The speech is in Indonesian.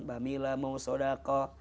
bami lah mau sodako